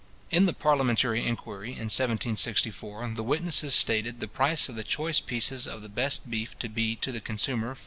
In the parliamentary inquiry in 1764, the witnesses stated the price of the choice pieces of the best beef to be to the consumer 4d.